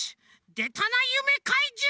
でたなゆめかいじゅう！